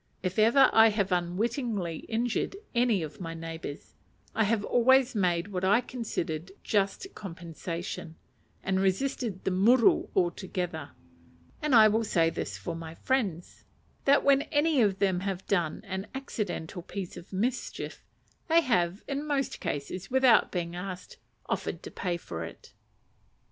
If ever I have unwittingly injured any of my neighbours, I have always made what I considered just compensation, and resisted the muru altogether: and I will say this for my friends, that when any of them have done an accidental piece of mischief, they have, in most cases without being asked, offered to pay for it.